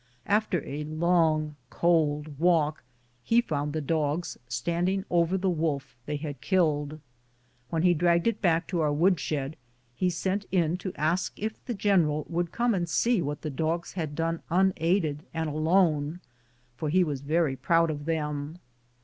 After a long, cold walk he found the dogs standing over the wolf they had killed. When he had dragged it back to our wood shed he sent in to ask if the general would come and see what the dogs had done unaided and alone, for he was very proud of them.